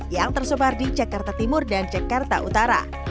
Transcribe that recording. yang tersebar di cekarta timur dan cekarta utara